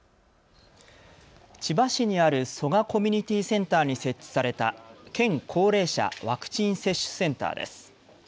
千葉市にある蘇我コミュニティセンターに設置された県高齢者ワクチン接種センターです。